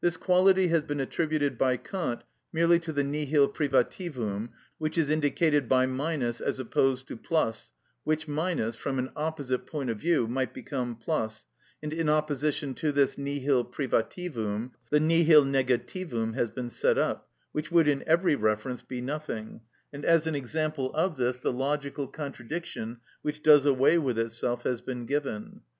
This quality has been attributed (by Kant) merely to the nihil privativum, which is indicated by as opposed to +, which , from an opposite point of view, might become +, and in opposition to this nihil privativum the nihil negativum has been set up, which would in every reference be nothing, and as an example of this the logical contradiction which does away with itself has been given.